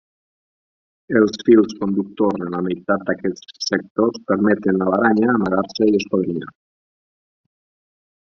Els fils conductors en la meitat d'aquests sectors permeten a l'aranya amagar-se i escodrinyar.